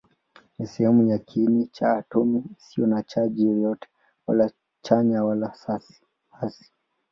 Ni sehemu ya kiini cha atomi isiyo na chaji yoyote, wala chanya wala hasi.